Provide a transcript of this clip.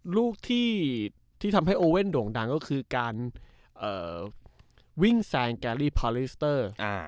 ลูกที่ทำให้โอเว่นโด่งดังก็คือการวิ่งแซงแกลี่พาลิสเตอร์